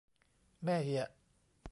แม่เหียะ